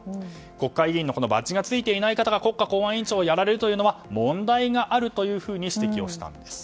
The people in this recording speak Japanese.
国会議員のバッジがついていない方が国家公安委員長をやられるのは問題があるというふうに指摘したんです。